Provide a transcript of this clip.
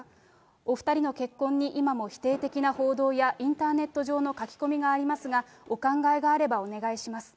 お２人の結婚に今も否定的な報道やインターネット上の書き込みがありますが、お考えがあればお願いします。